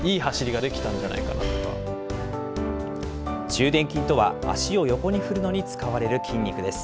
中殿筋とは、足を横に振るのに使われる筋肉です。